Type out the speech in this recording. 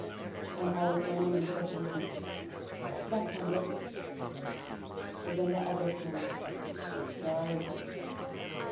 "And how was the anonymous letter written?" "Backhanded." Again the abbé smiled. "Disguised."